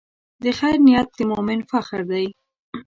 د خیر نیت د مؤمن فخر دی.